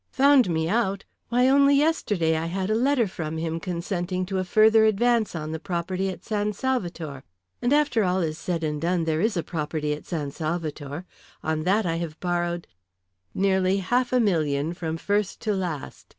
"Found me out! Why, only yesterday I had a letter from him consenting to a further advance on the property at San Salvator. And after all is said and done, there is a property at San Salvator. On that I have borrowed " "Nearly half a million from first to last.